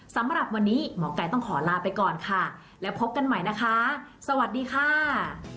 สำหรับวันนี้หมอไก่ต้องขอลาไปก่อนค่ะแล้วพบกันใหม่นะคะสวัสดีค่ะ